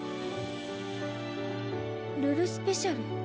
ルルスペシャル。